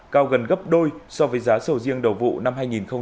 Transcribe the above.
cao gần gấp đôi so với giá sầu riêng đầu vụ năm hai nghìn hai mươi hai